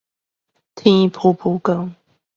天殕殕光